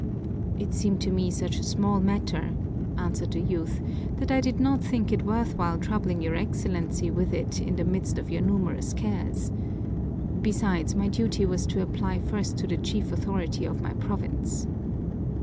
"It seemed to me such a small matter," answered the youth, "that I did not think it worth while troubling your Excellency with it in the midst of your numerous cares. Besides, my duty was to apply first to the chief authority of my province."